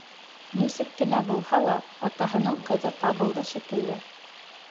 Нисек кенә булһа ла, атаһының ҡыҙы табылды шикелле.